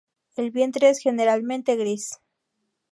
El vientre es generalmente gris.